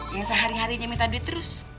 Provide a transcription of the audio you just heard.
ya sehari harinya minta duit terus